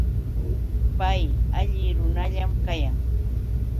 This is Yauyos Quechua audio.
Pay alli runallam kayan.